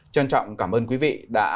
trân trọng cảm ơn quý vị đã